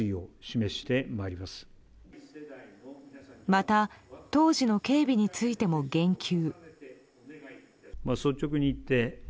また当時の警備についても言及。